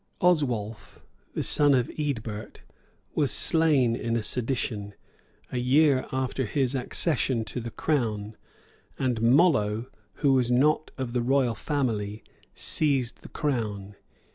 Oswolf, son of Eadbert, was slain in a sedition, a year after his accession to the crown; and Mollo, who was not of the royal family, seized the crown.